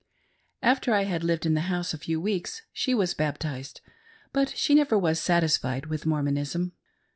After I had lived in the house a few weeks, she was baptized ; but she never was satisfied with Mormonism.